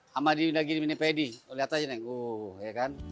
sama di minipedi lihat aja nih